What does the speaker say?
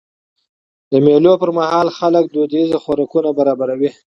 د مېلو پر مهال خلک دودیز خوراکونه برابروي.